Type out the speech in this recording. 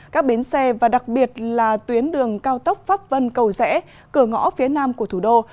các bến xe và đặc biệt là tuyến đường cao tốc pháp vân cầu rẽ cửa ngõ phía nam của thủ đô